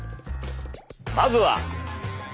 まずは。